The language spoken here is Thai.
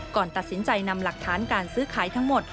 ก่อนตัดสินใจนำหลักฐานการซื้อขายทั้งหมด